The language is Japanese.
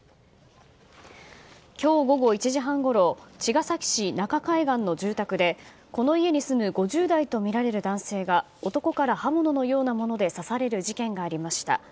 今日午後１時半ごろ茅ヶ崎市中海岸の住宅でこの家に住む５０代とみられる男性が男から刃物のようなもので刺される事件がありました。